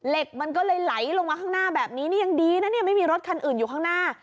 เหล็กมันก็เลยไหลลงมาข้างหน้าแบบนี้นี่ยังดีนะเนี่ยไม่มีรถคันอื่นอยู่ข้างหน้า